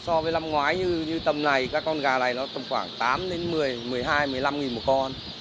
so với năm ngoái như tầm này các con gà này nó khoảng tám đến một mươi một mươi hai một mươi năm nghìn một con